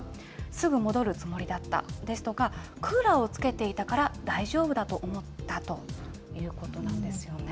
すぐ戻るつもりだったですとか、クーラーをつけていたから大丈夫だと思ったということなんですよね。